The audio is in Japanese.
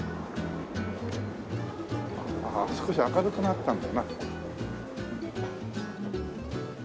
少し明るくなったんだよな。